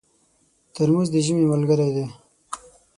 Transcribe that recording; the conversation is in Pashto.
ترموز د ژمي ملګرتیا کوي.